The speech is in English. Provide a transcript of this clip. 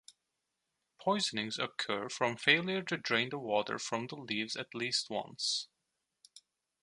Poisonings occur from failure to drain the water from the leaves at least once.